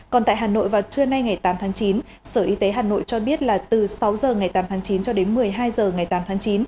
còn tại hà nội vào trưa nay ngày tám tháng chín sở y tế hà nội cho biết là từ sáu h ngày tám tháng chín cho đến một mươi hai h ngày tám tháng chín